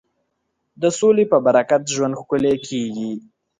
د سولې په برکت ژوند ښکلی کېږي.